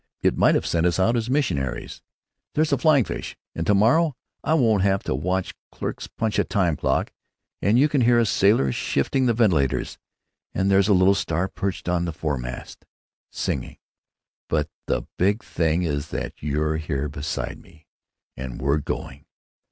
It might have sent us out as missionaries.... There's a flying fish; and to morrow I won't have to watch clerks punch a time clock; and you can hear a sailor shifting the ventilators; and there's a little star perched on the fore mast; singing; but the big thing is that you're here beside me, and we're going.